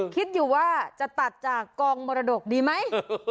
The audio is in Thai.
คิดอยู่ว่าจะตัดจากกองมรดกดีไหม